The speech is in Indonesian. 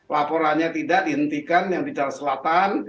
laporannya tidak dihentikan yang di jalan selatan